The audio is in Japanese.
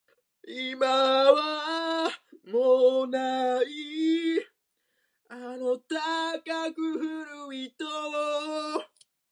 肩こりを治すためには